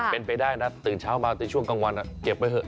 เป็นไปได้นะตื่นเช้ามาในช่วงกลางวันเก็บไว้เถอ